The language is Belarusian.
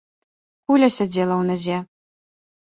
Куля сядзела ў назе.